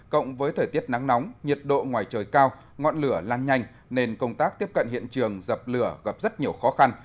cộng với thời tiết nắng nóng nhiệt độ ngoài trời cao ngọn lửa lan nhanh nên công tác tiếp cận hiện trường dập lửa gặp rất nhiều khó khăn